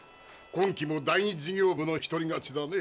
今期も第２事業部の一人勝ちだね。